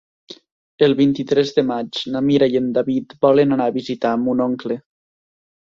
El vint-i-tres de maig na Mira i en David volen anar a visitar mon oncle.